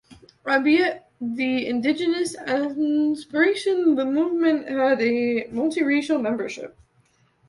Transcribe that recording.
Albeit of indigenist inspiration, the movement had a multirracial membership.